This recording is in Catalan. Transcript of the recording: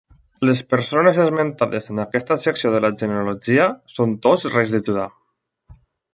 Les persones esmentades en aquesta secció de la genealogia són tots reis de Judà.